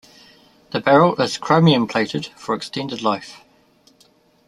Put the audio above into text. The barrel is chromium-plated for extended life.